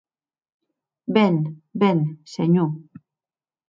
Ben, ben, senhor!